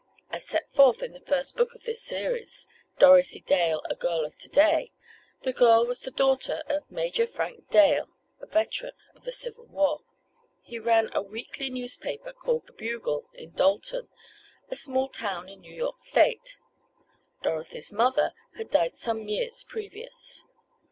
As set forth in the first book of this series, "Dorothy Dale; A Girl of To Day," the girl was the daughter of Major Frank Dale, a veteran of the Civil War. He ran a weekly newspaper, called The Bugle in Dalton, a small town in New York state. Dorothy's mother had died some years previous.